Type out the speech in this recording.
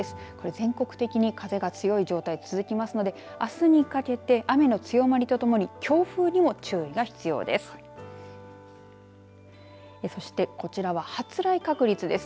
全国的に風が強い状態続きますのであすにかけて雨の強まりとともに強風にも注意が必要です。